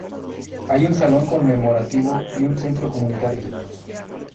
Hay un salón conmemorativo y un centro comunitario.